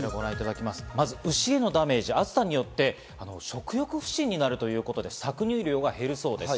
まず牛へのダメージ、暑さによって食欲不振になるということで搾乳量が減るそうです。